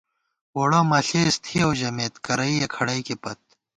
ووڑہ مَہ ݪېس تھِیَؤ ژَمېت ، کرَئیَہ کھڑَئیکے پت